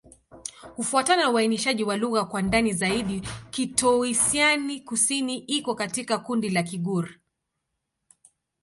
Kufuatana na uainishaji wa lugha kwa ndani zaidi, Kitoussian-Kusini iko katika kundi la Kigur.